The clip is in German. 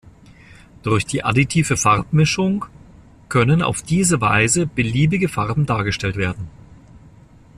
Durch die additive Farbmischung können auf diese Weise beliebige Farben dargestellt werden.